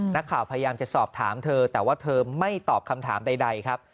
นักข่าวพยายามจะสอบถามเธอแต่ว่าเธอไม่ตอบคำถามใดครับ